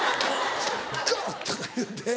ゴー！とか言うて。